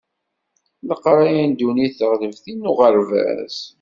Leqraya n ddunit teɣleb tin n uɣerbaz.